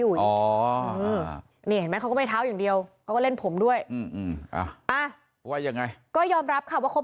วันนั้นเรื่องเราเป็นยังไงคุณสุชาดาธาม